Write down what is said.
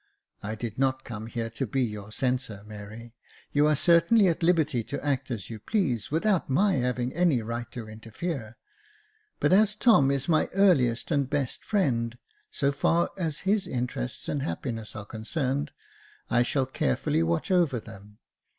" I did not come here to be your censor, Mary ; you are certainly at liberty to act as you please, without my having any right to interfere : but as Tom is my earliest and best friend, so far as his interests and happiness are concerned, I shall carefully watch over them.